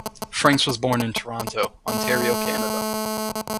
Francks was born in Toronto, Ontario, Canada.